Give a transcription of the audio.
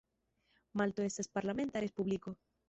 Malto estas parlamenta respubliko.